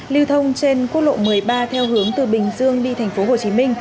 lưu thông trên quốc lộ một mươi ba theo hướng từ bình dương đi tp hcm